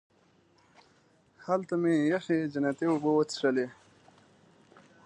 هلته مې یخې جنتي اوبه وڅښلې.